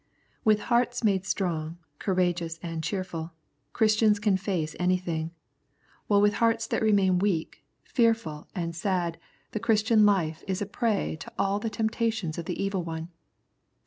With hearts made strong, courageous, and cheerful. Christians can face anything ; while with hearts that remain weak, fearful, 81 The Prayers of St. Paul and sad the Christian Hfe is a prey to all the temptations of the Evil One.